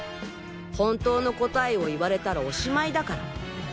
本当の答えを言われたらおしまいだから。